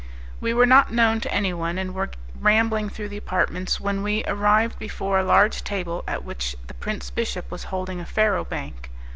We were not known to anyone, and were rambling through the apartments, when we arrived before a large table at which the prince bishop was holding a faro bank.